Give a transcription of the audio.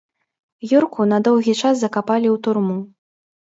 Юрку на доўгі час закапалі ў турму.